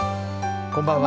こんばんは。